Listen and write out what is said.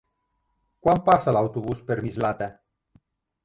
Quan passa l'autobús per Mislata?